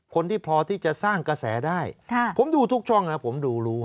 คนที่พอที่จะสร้างกระแสได้ผมดูทุกช่องครับผมดูรู้